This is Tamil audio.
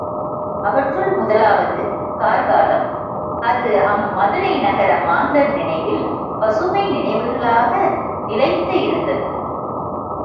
அவற்றுள் முதலாவது கார் காலம் அது அம் மதுரை நகர மாந்தர் நினைவில் பசுமை நினைவுகளாக நிலைத்து இருந்தது.